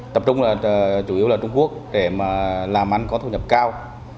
tập trung là chủ yếu là trung quốc để mà làm ăn có thu nhập cao